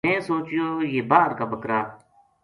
میں سوچیو یہ باہر کا بکر ا